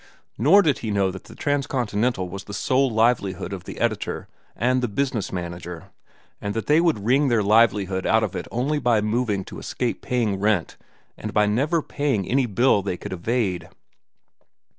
Nor did he know that the Transcontinental was the sole livelihood of the editor and the business manager, and that they could wring their livelihood out of it only by moving to escape paying rent and by never paying any bill they could evade.